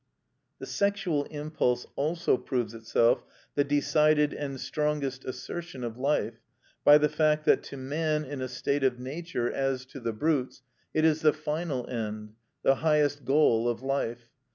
The sexual impulse also proves itself the decided and strongest assertion of life by the fact that to man in a state of nature, as to the brutes, it is the final end, the highest goal of life.